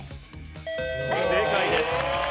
正解です。